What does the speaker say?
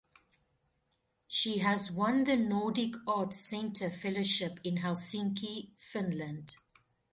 She has won the Nordic Arts Center fellowship in Helsinki, Finland.